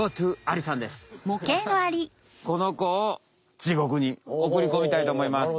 このこを地獄におくりこみたいとおもいます。